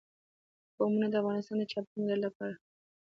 قومونه د افغانستان د چاپیریال د مدیریت لپاره ډېر مهم دي.